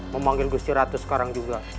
memanggil gusti ratu sekarang juga